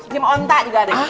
sim onta juga ada